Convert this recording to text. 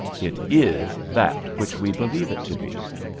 It is that which we believe it to be.